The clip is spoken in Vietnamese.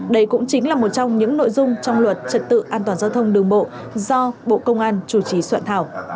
đây cũng chính là một trong những nội dung trong luật trật tự an toàn giao thông đường bộ do bộ công an chủ trì soạn thảo